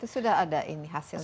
sudah ada ini hasilnya